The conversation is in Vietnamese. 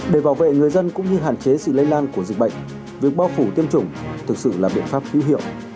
để bảo vệ người dân cũng như hạn chế sự lây lan của dịch bệnh việc bao phủ tiêm chủng thực sự là biện pháp hữu hiệu